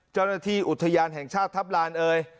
เจ้าหน้าที่อุทยานแห่งชาติทัพลานเอ่ย